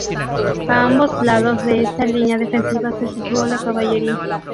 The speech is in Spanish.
A ambos lados de esta línea defensiva se situó la caballería.